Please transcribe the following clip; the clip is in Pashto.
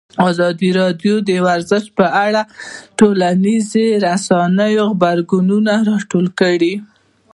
ازادي راډیو د ورزش په اړه د ټولنیزو رسنیو غبرګونونه راټول کړي.